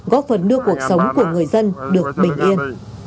góp phần đưa cuộc sống của người dân được bình yên